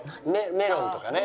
メロンとかね。